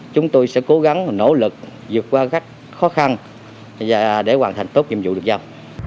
chúng tôi sẽ cố gắng nỗ lực dược qua các khó khăn để hoàn thành tốt nhiệm vụ được sao